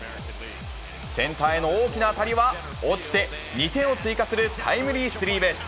センターへの大きな当たりは落ちて、２点を追加するタイムリースリーベース。